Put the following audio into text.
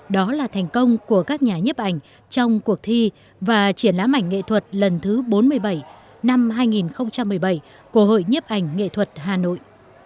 đó là thành công của các nhà nhếp ảnh trong cuộc thi và triển lãm ảnh nghệ thuật lần thứ bốn mươi bảy năm hai nghìn một mươi bảy của hội nhiếp ảnh nghệ thuật hà nội